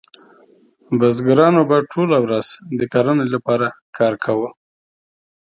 بزګرانو به ټوله ورځ د کرنې لپاره کار کاوه.